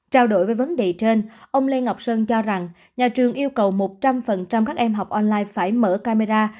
trao đổi với vấn đề trên ông lê ngọc sơn cho rằng nhà trường yêu cầu một trăm linh các em học online phải mở camera